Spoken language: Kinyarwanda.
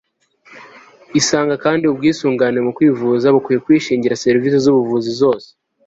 Isanga kandi ubwisungane mu kwivuza bukwiye kwishingira serivisi z ubuvuzi zose